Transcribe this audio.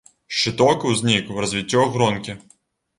Шчыток узнік у развіццё гронкі.